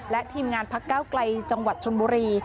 และทีมงานพักเก้าไกลจังหวัดชนบุรี